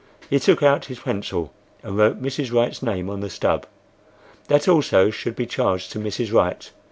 He took out his pencil and wrote Mrs. Wright's name on the stub. That also should be charged to Mrs. Wright.